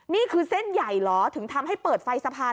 นี่คือเส้นใหญ่เหรอถึงทำให้เปิดไฟสะพาน